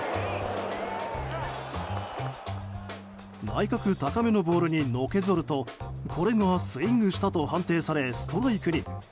内角高めのボールにのけぞるとこれがスイングしたと判定されストライクに。